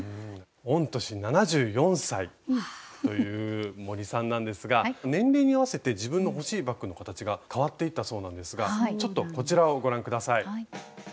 御年７４歳という森さんなんですが年齢に合わせて自分の欲しいバッグの形が変わっていったそうなんですがちょっとこちらをご覧下さい。